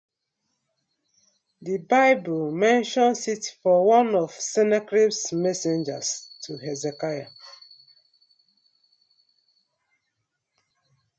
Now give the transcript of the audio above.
The Bible mentions it for one of Sennacherib's messengers to Hezekiah.